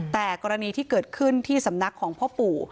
แต่กรณีที่เกิดขึ้นที่สำนักของพ่อปู่